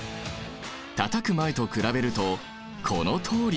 たたく前と比べるとこのとおり！